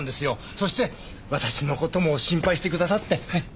そして私の事も心配してくださって。